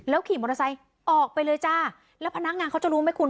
ขี่มอเตอร์ไซค์ออกไปเลยจ้าแล้วพนักงานเขาจะรู้ไหมคุณ